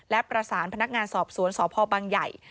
และประสานพนักงานสอบสวนสพบังใหญ่